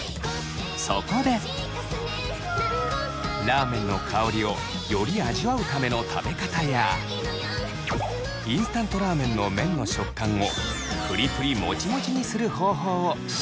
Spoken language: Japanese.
そこでラーメンの香りをより味わうための食べ方やインスタントラーメンの麺の食感をプリプリもちもちにする方法を紹介します。